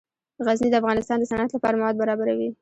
غزني د افغانستان د صنعت لپاره مواد برابروي.